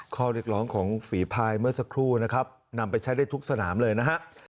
ข้อเรียกร้องของฝีพายเมื่อสักครู่นะครับนำไปใช้ได้ทุกสนามเลยนะครับ